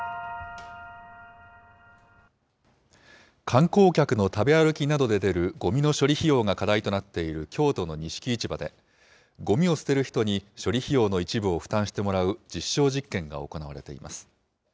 観光客の食べ歩きなどで出る、ごみの処理費用が課題となっている京都の錦市場で、ごみを捨てる人に、処理費用の一部を負担してもらう実証実験が行われています。